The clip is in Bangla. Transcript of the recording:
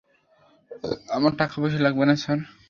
আমার টাকা পয়সা লাগবে না, স্যার।